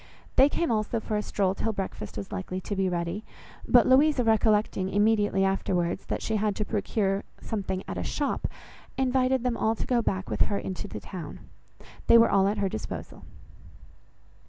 They came also for a stroll till breakfast was likely to be ready; but Louisa recollecting, immediately afterwards that she had something to procure at a shop, invited them all to go back with her into the town. They were all at her disposal.